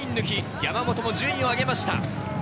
山本も順位を上げました。